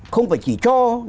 không phải chỉ cho